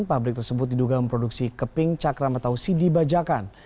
pabrik tersebut diduga memproduksi keping cakram atau cd bajakan